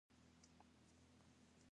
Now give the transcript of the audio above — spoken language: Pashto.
د لمر زرینې وړانګې ټولولې.